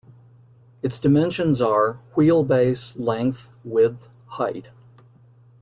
Its dimensions are: wheelbase, length, width, height.